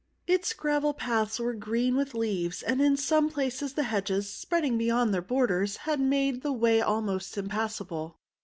Its gravel paths were green with weeds, and in some places the hedges, spreading beyond their borders, had made the way almost impassable.